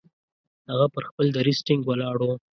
هغه پر خپل دریځ ټینګ ولاړ وو.